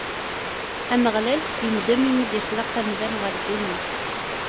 Ameɣlal indem imi i d-ixleq amdan ɣer ddunit.